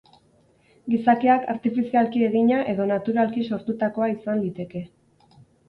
Gizakiak artifizialki egina edo naturalki sortutakoa izan liteke.